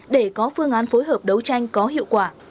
để có phương án phối hợp đấu tranh có hiệu quả